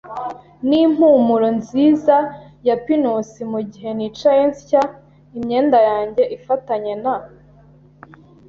n'impumuro nziza ya pinusi, mugihe nicaye nsya, imyenda yanjye ifatanye na